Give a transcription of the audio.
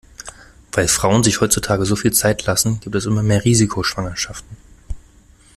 Weil Frauen sich heutzutage so viel Zeit lassen, gibt es immer mehr Risikoschwangerschaften.